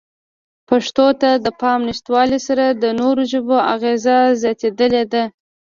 پښتو ته د پام نشتوالې سره د نورو ژبو اغېزه زیاتېدلې ده.